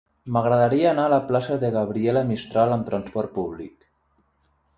M'agradaria anar a la plaça de Gabriela Mistral amb trasport públic.